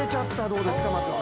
どうですか。